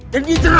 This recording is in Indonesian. dan dia cerah